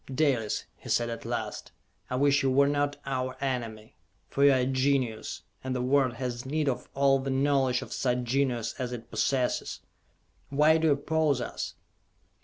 "Dalis," he said at last, "I wish you were not our enemy! For you are a genius, and the world has need of all the knowledge of such genius as it possesses. Why do you oppose us?"